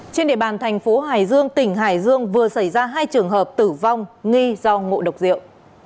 trên địa bàn thành phố hải dương tỉnh hải dương vừa xảy ra hai trường hợp tử vong nghi do ngộ độc rượu